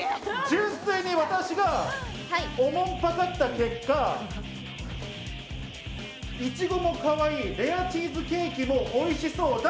純粋に私がおもんばかった結果、苺もかわいい、レアチーズケーキも美味しそう。